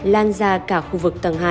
lan ra cả khu vực tầng hai